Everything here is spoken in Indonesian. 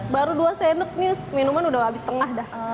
baru dua sendok nih minuman udah habis tengah dah